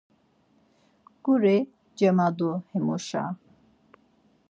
Guri cemat̆u himuşa.